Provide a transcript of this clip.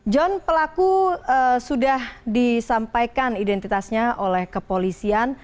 john pelaku sudah disampaikan identitasnya oleh kepolisian